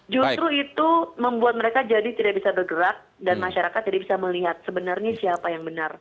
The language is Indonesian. justru itu membuat mereka jadi tidak bisa bergerak dan masyarakat jadi bisa melihat sebenarnya siapa yang benar